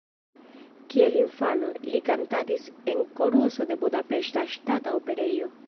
Kiel infano, li kantadis en koruso de Budapeŝta Ŝtata Operejo.